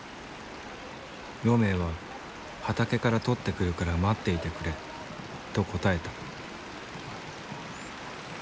ロメウは畑から取ってくるから待っていてくれと答えた。